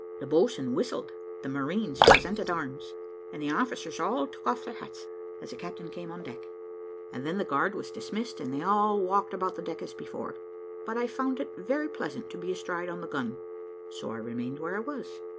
The boatswain whistled, the marines presented arms, and the officers all took off their hats as the captain came on the deck, and then the guard was dismissed, and they all walked about the deck as before; but I found it very pleasant to be astride on the gun, so I remained where I was.